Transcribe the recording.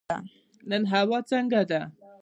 نن هوا څنګه ده؟